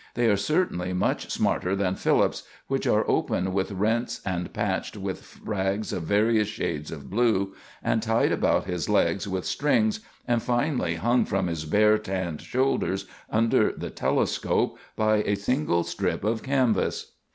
They are certainly much smarter than Philip's, which are open with rents and patched with rags of various shades of blue, and tied about his legs with strings, and finally hung from his bare, tanned shoulders, under the telescope, by a single strip of canvas.